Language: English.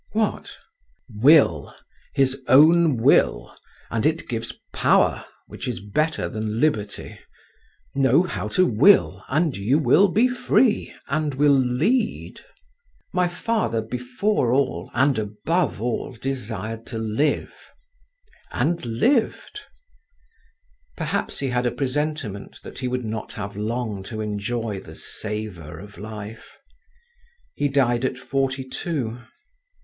"What?" "Will, his own will, and it gives power, which is better than liberty. Know how to will, and you will be free, and will lead." "My father, before all, and above all, desired to live, and lived…. Perhaps he had a presentiment that he would not have long to enjoy the "savour" of life: he died at forty two.